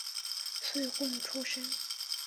岁贡出身。